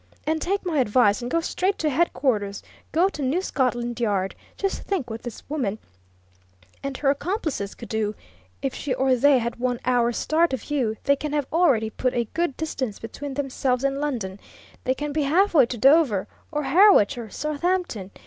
"And take my advice and go straight to headquarters go to New Scotland Yard. Just think what this woman and her accomplices could do! If she or they had one hour's start of you, they can have already put a good distance between themselves and London; they can be halfway to Dover, or Harwich, or Southampton.